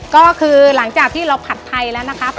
ก็คือหลังจากที่เราผัดไทยแล้วนะครับ